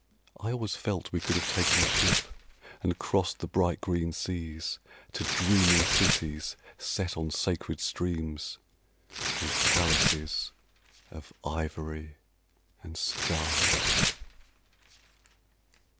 I always felt we could have taken ship And crossed the bright green seas To dreaming cities set on sacred streams And palaces Of ivory and scarlet.